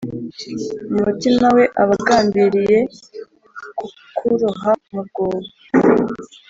u mutima we, aba agambiriye kukuroha mu rwobo